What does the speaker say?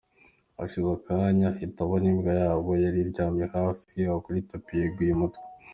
Hashize akanya ahita abona imbwa yabo yari yiryamiye hafi aho kuri tapis yeguye umutwe.